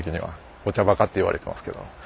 お茶バカって言われてますけど。